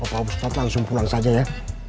bapak ustadz langsung pulang saja ya